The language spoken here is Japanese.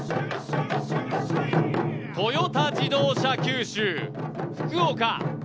トヨタ自動車九州・福岡。